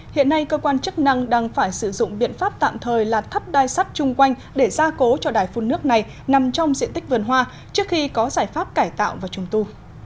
hiện nay cơ quan chức năng đang phải sử dụng biện pháp tạm thời là thắt đai sắt chung quanh để gia cố cho đài phun nước này nằm trong diện tích vườn hoa trước khi có giải pháp cải tạo và trùng tu